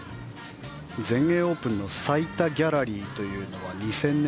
全英オープンの最多ギャラリーというのは２０００年